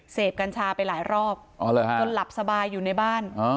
กัญชาไปหลายรอบจนหลับสบายอยู่ในบ้าน